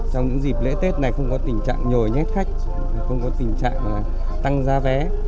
trong những dịp lễ tết này không có tình trạng nhồi nhét khách không có tình trạng tăng giá vé